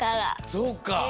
そうか。